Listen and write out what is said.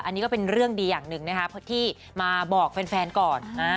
อันนี้ก็เป็นเรื่องดีอย่างหนึ่งนะคะเพราะที่มาบอกแฟนก่อน